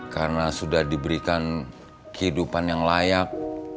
karena sudah diberikan kehidupan yang layak